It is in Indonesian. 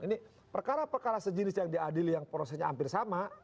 ini perkara perkara sejenis yang diadili yang prosesnya hampir sama